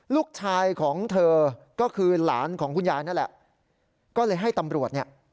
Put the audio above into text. ลูกชายของเธอก็คือหลานของคุณยายนั่นแหละก็เลยให้ตำรวจเนี่ย